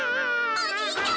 おじいちゃま！